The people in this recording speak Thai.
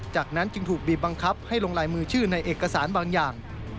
จากนั้นจึงถูกบีบบังคับให้ลงลายมือชื่อในเอกสารบางอย่าง